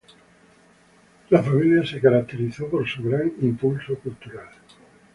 La familia se caracterizó por su gran impulso cultural.